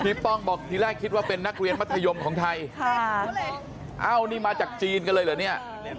พี่ป้องบอกที่แรกว่าเป็นนักเรียนมัธยมที่ไทยเอ้านี่มาจากจีนเลยเหรอนี่